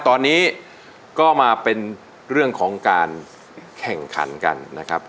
ตอนนี้ก็มาเป็นเรื่องของการแข่งขันกันนะครับ